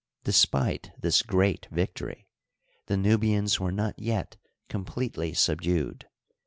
Despite this great victory, the Nubians were not yet completely subdued.